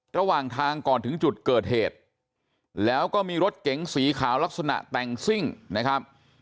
ระหว่างทางก่อนถึงจุดเกิดเหตุแล้วก็มีรถเก๋งสีขาวลักษณะแต่งซิ่งนะครับ